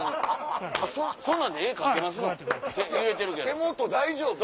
手元大丈夫？